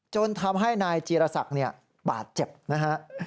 จนทำให้นายจีรศักดิ์บาดเจ็บนะฮะ